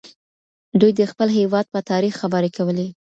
دوی د خپل هېواد په تاريخ خبري کولې.